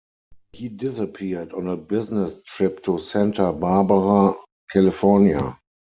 He disappeared on a business trip to Santa Barbara, California.